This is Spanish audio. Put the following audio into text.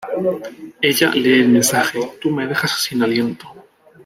Ella lee el mensaje: "Tu me dejas sin aliento".